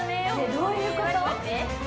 どういうこと？